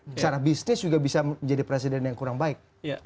secara bisnis juga bisa menjadi presiden yang kurang baik